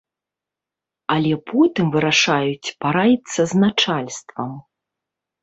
Але потым вырашаюць параіцца з начальствам.